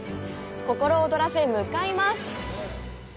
心を躍らせ向かいます！